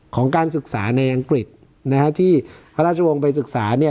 การศึกษาในอังกฤษนะฮะที่พระราชวงศ์ไปศึกษาเนี่ย